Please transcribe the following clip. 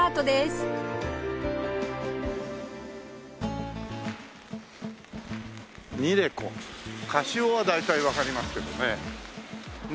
ＣＡＳＩＯは大体わかりますけどね。